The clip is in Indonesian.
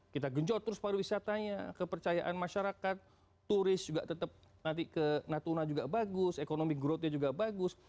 kita genjot terus pariwisatanya kepercayaan masyarakat turis juga tetap nanti ke natuna juga bagus ekonomi growth nya juga bagus